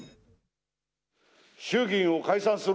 衆議院を解散する。